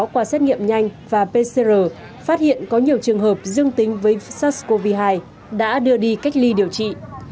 qua xét nghiệm nhanh và pcr phát hiện có nhiều trường hợp dương tính với sars cov hai đã đưa đi cách ly điều trị